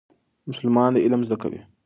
مسلمانان علم زده کوي.